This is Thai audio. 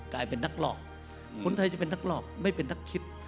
กลายเป็นนักหลอกคนไทยจะเป็นนักหลอกไม่เป็นนักคิด